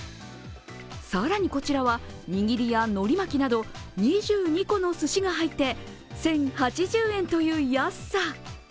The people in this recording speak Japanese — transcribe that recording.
更に、こちらはにぎりやのり巻きなど２２個のすしが入って１０８０円という安さ。